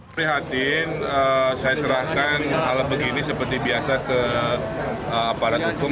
prihatin saya serahkan hal begini seperti biasa ke aparat hukum